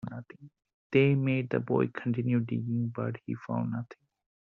They made the boy continue digging, but he found nothing.